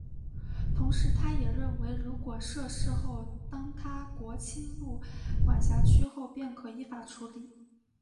同时他也认为如果设市后当他国侵入管辖区后便可依法处理。